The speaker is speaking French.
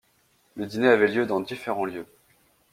Le dîner avait lieu dans de différents lieux.